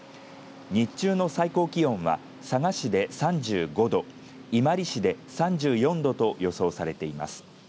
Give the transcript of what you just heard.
日中の最高気温は佐賀市で３５度、伊万里市で３４度と予想されています。